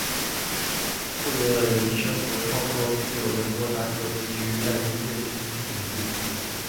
获得了人生和创作自由的莫扎特急于在音乐之都证明自己。